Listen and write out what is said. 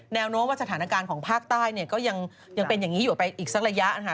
แนวโน้มว่าสถานการณ์ของภาคใต้เนี่ยก็ยังเป็นอย่างนี้อยู่ไปอีกสักระยะนะคะ